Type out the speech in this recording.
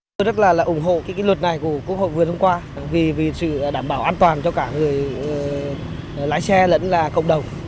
tôi rất là ủng hộ cái luật này của quốc hội vừa thông qua vì vì sự đảm bảo an toàn cho cả người lái xe lẫn là cộng đồng